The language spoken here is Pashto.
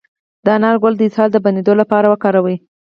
د انار ګل د اسهال د بندیدو لپاره وکاروئ